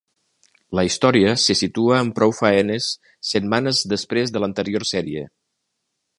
La història se situa amb prou faenes setmanes després de l'anterior sèrie.